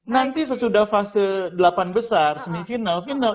nanti sesudah fase delapan besar semifinal final